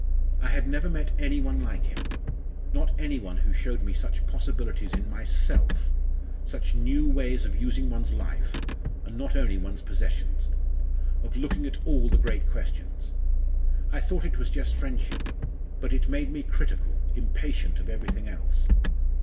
I had never met any one like him not any one who showed me such possibilities in myself such new ways of using one's life, and not only one's possessions of looking at all the great questions. I thought it was just friendship, but it made me critical, impatient of everything else.